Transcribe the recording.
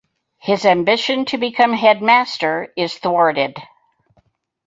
His ambition to become headmaster is thwarted.